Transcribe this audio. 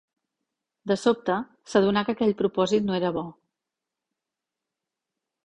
De sobte, s'adonà que aquell propòsit no era bo.